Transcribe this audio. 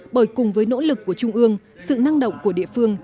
bởi cùng với nỗ lực của trung ương sự năng động của địa phương